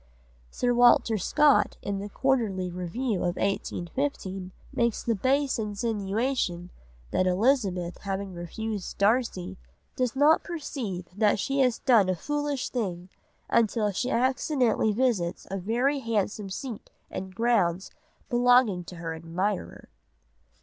Sir Walter Scott in the Quarterly Review of 1815 makes the base insinuation that Elizabeth having refused Darcy "does not perceive that she has done a foolish thing, until she accidentally visits a very handsome seat and grounds belonging to her admirer."